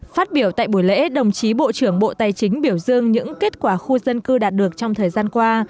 phát biểu tại buổi lễ đồng chí bộ trưởng bộ tài chính biểu dương những kết quả khu dân cư đạt được trong thời gian qua